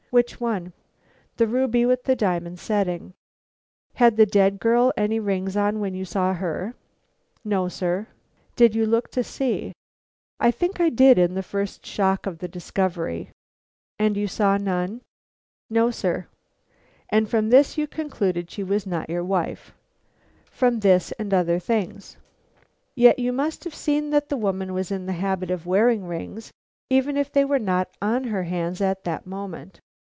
"Which one?" "The ruby with the diamond setting." "Had the dead girl any rings on when you saw her?" "No, sir." "Did you look to see?" "I think I did in the first shock of the discovery." "And you saw none?" "No, sir." "And from this you concluded she was not your wife?" "From this and other things." "Yet you must have seen that the woman was in the habit of wearing rings, even if they were not on her hands at that moment?"